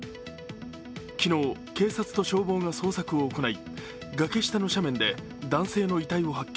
昨日警察と消防が捜索を行い崖下の斜面で男性の遺体を発見。